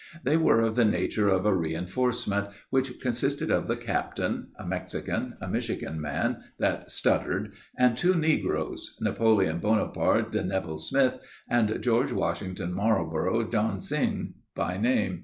They were of the nature of a reënforcement, which consisted of the captain, a Mexican, a Michigan man that stuttered, and two negroes Napoleon Bonaparte de Neville Smith, and George Washington Marlborough Johnsing, by name.